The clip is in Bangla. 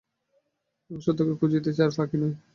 এখন সত্যকে খুঁজিতেছি, আর ফাঁকি নয়।